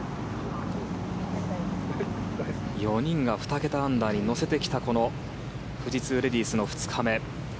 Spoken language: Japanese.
４人が２桁アンダーに乗せてきた富士通レディースの２日目。